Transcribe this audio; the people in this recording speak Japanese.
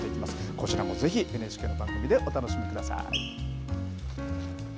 こちらもぜひ、ＮＨＫの番組でお楽しみください。